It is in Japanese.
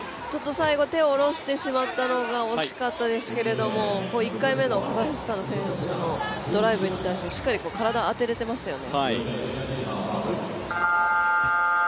最後、手を下ろしてしまったのが惜しかったですけれども１回目のカザフスタンの選手のドライブに対してしっかり体を当てられていましたよね。